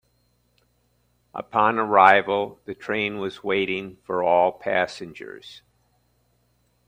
Upon arrival, the train was waiting for all passengers.